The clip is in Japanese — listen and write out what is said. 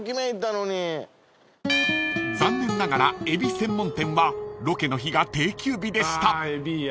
［残念ながらエビ専門店はロケの日が定休日でした］